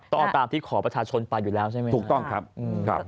ต่อตามที่ขอประชาชนปลาอยู่แล้วใช่ไหมครับ